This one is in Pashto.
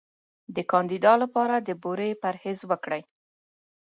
د کاندیدا لپاره د بورې پرهیز وکړئ